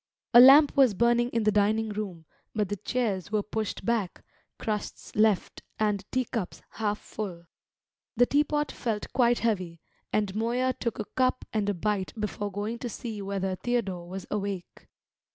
A lamp was burning in the dining room, but the chairs were pushed back, crusts left, and tea cups half full. The teapot felt quite heavy; and Moya took a cup and a bite before going to see whether Theodore was awake.